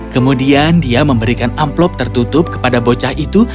kemudian dia memberikan amplop tertutup kepada bocah itu